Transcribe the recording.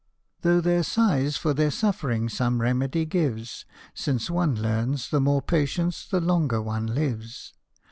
(Though their size for their suffering some remedy gives, Since one learns the more patience the longer one lives).